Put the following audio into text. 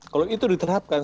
kalau itu diterapkan